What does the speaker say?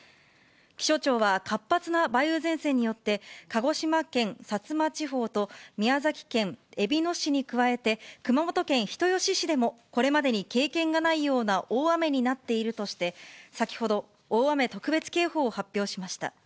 気象庁は、活発な梅雨前線によって、鹿児島県薩摩地方と、宮崎県えびの市に加えて、熊本県人吉市でも、これまでに経験がないような大雨になっているとして、先ほど、大雨特別警報を発表しました。